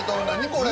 これ！